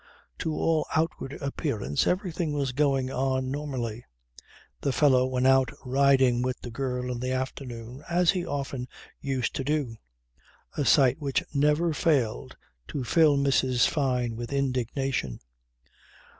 To all outward appearance everything was going on normally; the fellow went out riding with the girl in the afternoon as he often used to do a sight which never failed to fill Mrs. Fyne with indignation.